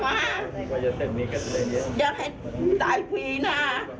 อยากให้ตายพรีนะ